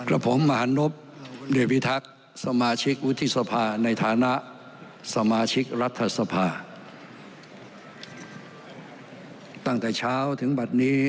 ระผมมหาเรพิทักษ์สมาชิกวุฒิศภาในฐานะสมาชิกรัฐษภา